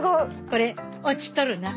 これ落ちとるな。